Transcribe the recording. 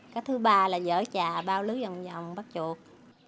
cách thứ ba là dở trà bao lứ vòng vòng bắt chuột